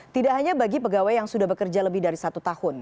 tidak hanya bagi pegawai yang sudah bekerja lebih dari satu tahun